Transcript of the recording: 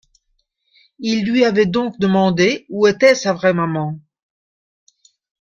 Il lui avait donc demandé où était sa vraie maman.